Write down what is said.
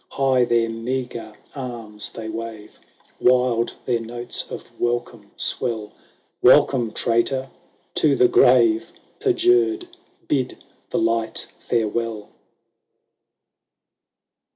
High their meagre arms they wave, Wild their notes of welcome swell ;" Welcome, traitor, to the grave ! Perjured, bid the light farewell